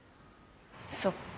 そっか。